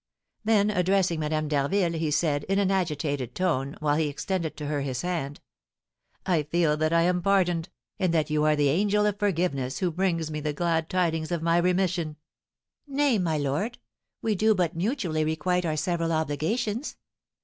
Then addressing Madame d'Harville, he said, in an agitated tone, while he extended to her his hand, "I feel that I am pardoned, and that you are the angel of forgiveness who brings me the glad tidings of my remission." "Nay, my lord, we do but mutually requite our several obligations.